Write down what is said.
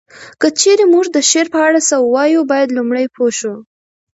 که چیري مونږ د شعر په اړه څه ووایو باید لومړی پوه شو